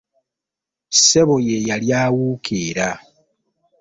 Ssebo ye yali awuukera.